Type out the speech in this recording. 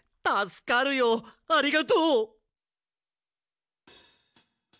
たすかるよありがとう！